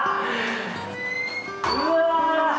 うわ！